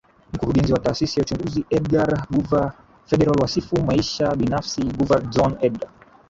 Mkurugenzi Wa Taasisi Ya Uchunguzi Edgar Guver Federal Wasifu Maisha Binafsi Guver Dzhon Edgar